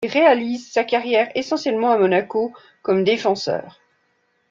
Il réalise sa carrière essentiellement à Monaco, comme défenseur.